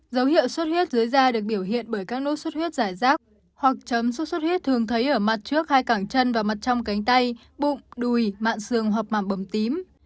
dấu hiệu sốt huyết dưới da được biểu hiện bởi các nốt suất huyết giải rác hoặc chấm sốt xuất huyết thường thấy ở mặt trước hai cảng chân và mặt trong cánh tay bụng đùi mạn xương hoặc màng bầm tím